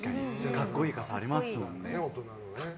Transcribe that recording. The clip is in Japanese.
格好いい傘ありますもんね。